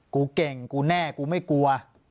กูเก่งกูแน่กูไม่กลัว